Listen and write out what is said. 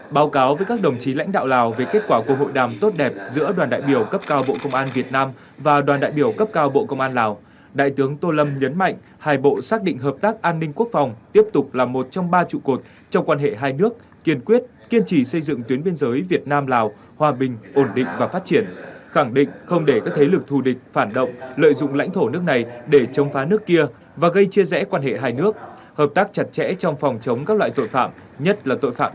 báo cáo với các đồng chí lãnh đạo lào về kết quả của hội đàm tốt đẹp giữa đoàn đại biểu cấp cao bộ công an việt nam và đoàn đại biểu cấp cao bộ công an lào đại tướng tô lâm nhấn mạnh hai bộ xác định hợp tác an ninh quốc phòng tiếp tục là một trong ba trụ cột trong quan hệ hai nước kiên quyết kiên trì xây dựng tuyến biên giới việt nam lào hòa bình ổn định và phát triển khẳng định không để các thế lực thù địch phản động lợi dụng lãnh thổ nước này để chống phá nước kia và gây chia rẽ quan hệ hai nước